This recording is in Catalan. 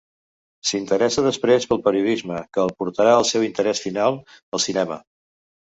S'interessa després pel periodisme, que el portarà al seu interès final, el cinema.